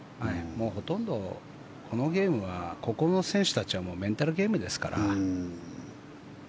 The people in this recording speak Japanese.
ほとんどこのゲームはここの選手たちはメンタルゲームですから。